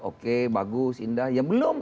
oke bagus indah ya belum